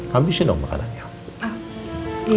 kamu bisa dong makanannya